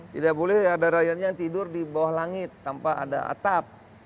tidak boleh ada rakyatnya yang tidur di bawah langit tanpa ada atap